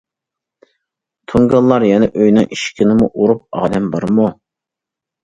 تۇڭگانلار يەنە ئۆينىڭ ئىشىكىنىمۇ ئۇرۇپ، ئادەم بارمۇ؟!